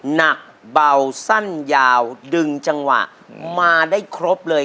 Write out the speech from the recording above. หนักเบาสั้นยาวดึงจังหวะมาได้ครบเลย